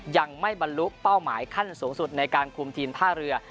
ยังไม่บรรลุเป้าหมายขั้นสูงสุดในการคุมทีมท่าเรือ